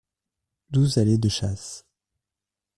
douze allée de Chasse